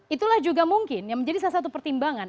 itulah juga mungkin yang menjadi salah satu pertimbangan